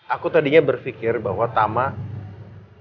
aku tadinya berpikir bahwa tama ikut meninggal bersama sofia